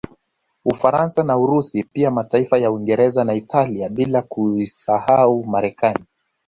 Ufaransa na Urusi pia mataifa ya Uingereza na Italia bila kuisahau Marekani